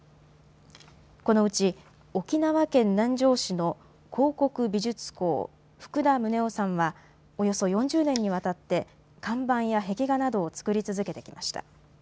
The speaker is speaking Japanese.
このうち、沖縄県南城市の広告美術工、福田宗男さんはおよそ４０年にわたって看板や壁画などを作り続けてきました。